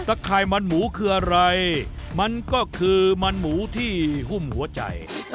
คายมันหมูคืออะไรมันก็คือมันหมูที่หุ้มหัวใจ